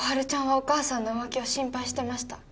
お母さんの浮気を心配してました